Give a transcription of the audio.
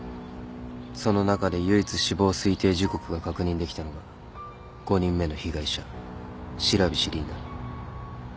その中で唯一死亡推定時刻が確認できたのが５人目の被害者白菱凜だ。